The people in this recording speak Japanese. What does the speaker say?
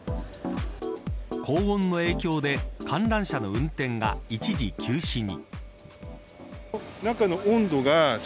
高温の影響で、観覧車の運転が一時休止に。